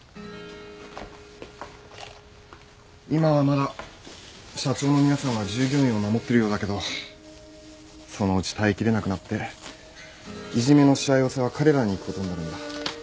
今はまだ社長の皆さんは従業員を守ってるようだけどそのうち耐えきれなくなっていじめのしわ寄せは彼らに行くことになるんだ。